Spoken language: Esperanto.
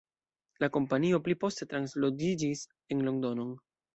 La kompanio pli poste transloĝiĝis en Londonon.